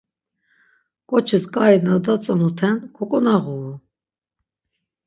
Ǩoçis ǩai na datzonuten koǩonağuru.